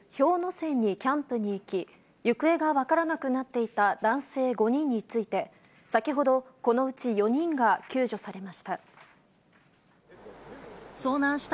山にキャンプに行き、行方が分からなくなっていた男性５人について、先ほど、このうち４人が救助されました。